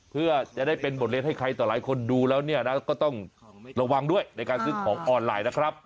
เพื่อจะได้เป็นบทเรียนให้ใครต่อหลายคนดูแล้วเนี่ยนะก็ต้องระวังด้วยในการซื้อของออนไลน์นะครับ